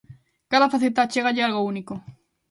Cada faceta achégalle algo único.